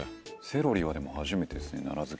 セロリはでも初めてですね奈良漬。